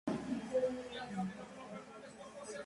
El río Aude la riega de sur a norte.